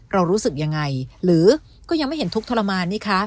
รู้สึกยังไงหรือก็ยังไม่เห็นทุกข์ทรมานนี่คะ